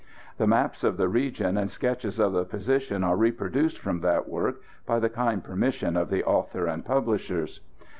The maps of the region and sketches of the position are reproduced from that work by the kind permission of the author and publishers.